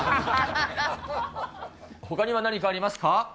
ほかには何かありますか？